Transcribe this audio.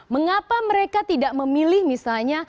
mengapa mereka tidak memilih misalnya financial advisor